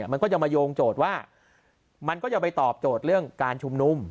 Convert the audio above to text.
มันก็จะมาโยงโจทย์ว่ามันก็จะไปตอบโจทย์เรื่องการชุมนุม